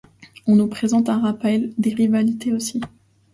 On nous présente un rappel des rivalités aussi.